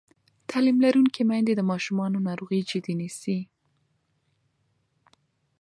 تعلیم لرونکې میندې د ماشومانو ناروغي جدي نیسي.